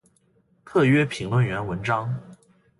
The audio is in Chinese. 特约评论员文章